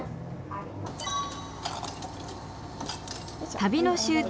旅の終点